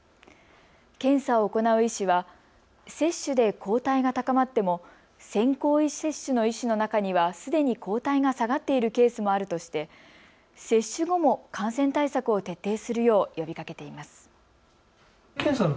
検査を行う医師は接種で抗体が高まっても先行接種の医師の中にはすでに抗体が下がっているケースもあるとして接種後も感染対策を徹底するよう呼びかけています。